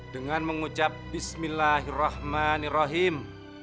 dengan mengucap bismillahirrahmanirrahim